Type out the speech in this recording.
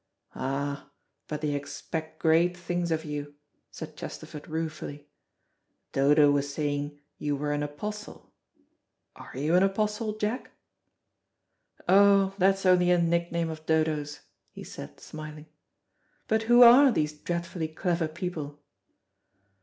"Ah, but they expect great things of you," said Chesterford ruefully. "Dodo was saying you were an apostle. Are you an apostle, Jack?" "Oh, that's only a nickname of Dodo's," he said, smiling. "But who are these dreadfully clever people?"